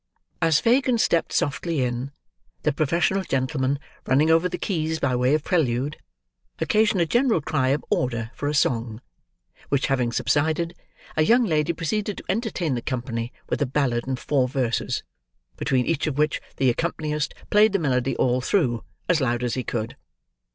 As Fagin stepped softly in, the professional gentleman, running over the keys by way of prelude, occasioned a general cry of order for a song; which having subsided, a young lady proceeded to entertain the company with a ballad in four verses, between each of which the accompanyist played the melody all through, as loud as he could.